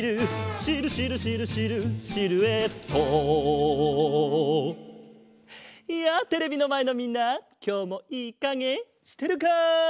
「シルシルシルシルシルエット」やあテレビのまえのみんなきょうもいいかげしてるか？